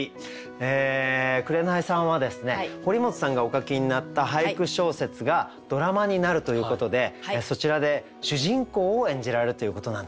紅さんはですね堀本さんがお書きになった俳句小説がドラマになるということでそちらで主人公を演じられるということなんですね。